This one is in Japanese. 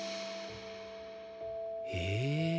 へえ。